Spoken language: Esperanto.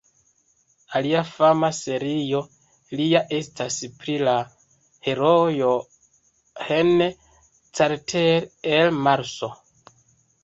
Alia fama serio lia estas pri la heroo John Carter el Marso.